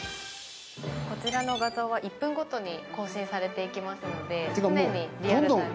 こちらの画像は１分ごとに更新されていきますので常にリアルタイムで。